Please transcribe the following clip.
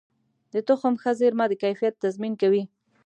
د تخم ښه زېرمه د کیفیت تضمین کوي.